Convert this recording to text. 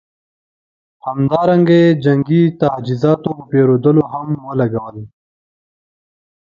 همدارنګه یې جنګي تجهیزاتو په پېرودلو هم ولګول.